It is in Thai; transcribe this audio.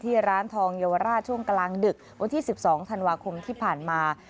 ร้านทองเยาวราชช่วงกลางดึกวันที่๑๒ธันวาคมที่ผ่านมา